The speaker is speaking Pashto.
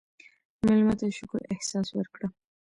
مېلمه ته د شکر احساس ورکړه.